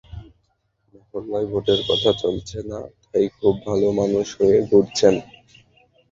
মহল্লায় ভোটের কথা চলছে না, তাই খুব ভালো মানুষ হয়ে ঘুরছেন!